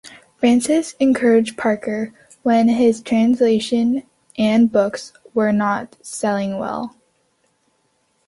Francis encouraged Parker when his translations and books were not selling well.